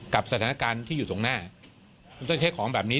กับสถานการณ์ที่อยู่ตรงหน้ามันต้องใช้ของแบบนี้